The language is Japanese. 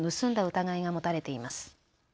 疑いが持たれています。